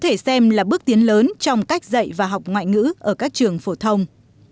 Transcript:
có thể xem là bước tiến lớn trong cách dạy và học ngoại ngữ ở các trường phổ thông